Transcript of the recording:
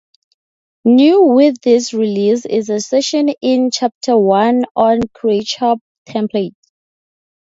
New with this release is a section in chapter one on Creature Templates.